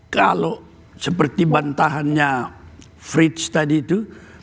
kalau seperti bantahannya frits tadi itu